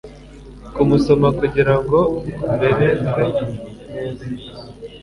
Kumusoma kugirango umererwe neza